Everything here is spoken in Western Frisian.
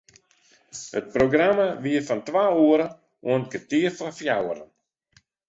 It programma wie fan twa oere oant kertier foar fjouweren.